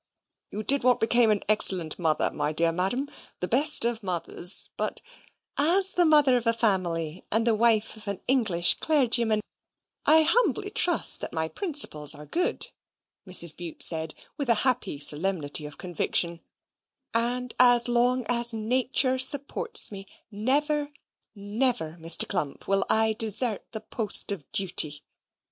"You did what became an excellent mother, my dear Madam the best of mothers; but " "As the mother of a family and the wife of an English clergyman, I humbly trust that my principles are good," Mrs. Bute said, with a happy solemnity of conviction; "and, as long as Nature supports me, never, never, Mr. Clump, will I desert the post of duty.